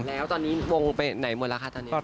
แล้วตอนนี้วงไปไหนหมดแล้วคะตอนนี้